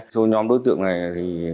cho nhóm đối tượng này thì